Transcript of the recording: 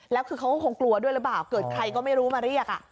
แล้วคือเขาก็คงกลัวด้วยหรือเปล่าเกิดใครก็ไม่รู้มาเรียก